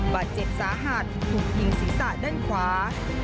บาดเจ็บสาหัสถูกยิงศีรษะด้านขวา